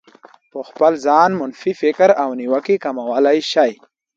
په خپل ځان د منفي فکر او نيوکو کمولای شئ.